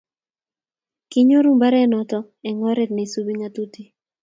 kinyoru mbarenoto eng' oret ne isubi ng'atutit